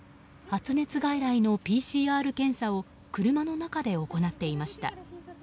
発熱外来のＰＣＲ検査を車の中で行っていました。